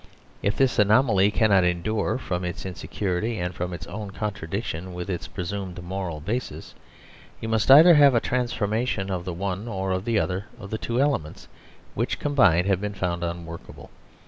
If this anomaly cannot endure, from its insecurity and from its own contradiction with its presumed moral basis, youmust either have a transformation of the oneor of the other of the two elements which combined have been found unworkable.